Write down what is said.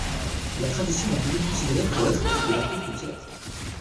La tradition a toujours considéré que la lettre était de l'apôtre Pierre.